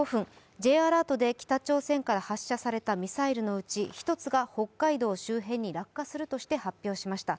Ｊアラートで北朝鮮から発射されたミサイルのうち１つが北海道周辺に落下するとして発表しました。